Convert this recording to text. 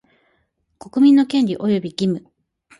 国民の権利及び義務